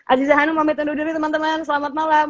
aziza hanum mohamad nduduri temen temen selamat malam